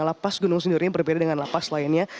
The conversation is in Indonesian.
lapas gunung sendiri berbeda dengan lapas lainnya